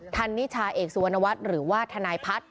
นิชาเอกสุวรรณวัฒน์หรือว่าทนายพัฒน์